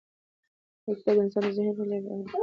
دا کتاب د انسان د ذهني پراختیا لپاره یو مهم ګام دی.